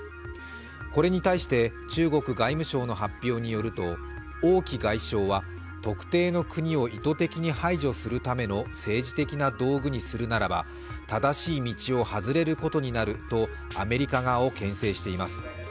これに対して中国外務省の発表によると、王毅外相は特定の国を意図的に排除するための政治的な道具にするならば正しい道を外れることになるとアメリカ側をけん制しています。